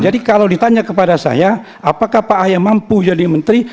jadi kalau ditanya kepada saya apakah pak ah yang mampu jadi menteri